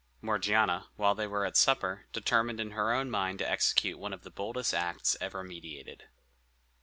Morgiana, while they were at supper, determined in her own mind to execute one of the boldest acts ever meditated.